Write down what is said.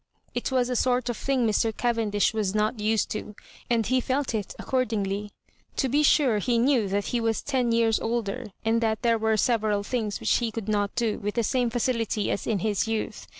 It was a sort of thing Mr. Cavendish was not used to, and he felt it accordingly. To be sure he knew that he was ten years older, and that there were several things' which he could not do with the same faci lity as in his youth.